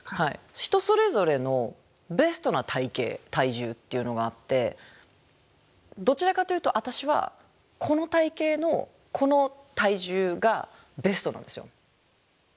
人それぞれのベストな体型体重っていうのがあってどちらかというと私はこの体型のこの体重がベストなんですよ。